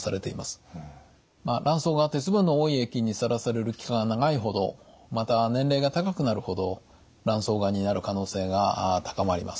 卵巣が鉄分の多い液にさらされる期間が長いほどまた年齢が高くなるほど卵巣がんになる可能性が高まります。